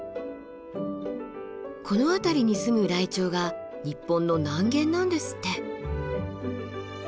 この辺りに住むライチョウが日本の南限なんですって。